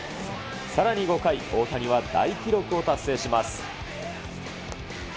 さらに５回、大谷は大記録を達成します。